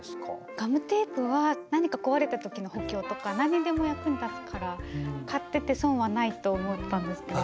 ガムテープは何か壊れた時の補強とか何にでも役に立つから買ってて損はないと思ったんですけれども。